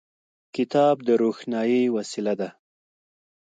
کتاب د روښنايي وسیله ده.